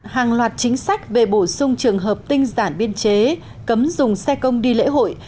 hàng loạt chính sách về bổ sung trường hợp tinh giản biên chế cấm dùng xe công đi lễ hội